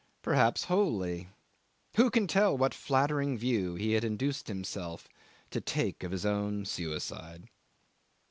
Perhaps wholly. Who can tell what flattering view he had induced himself to take of his own suicide?